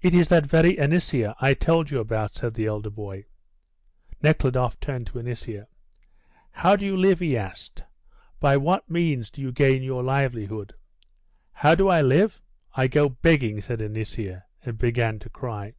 "It is that very Anisia I told you about," said the elder boy. Nekhludoff turned to Anisia. "How do you live?" he asked. "By what means do you gain your livelihood?" "How do I live? I go begging," said Anisia, and began to cry.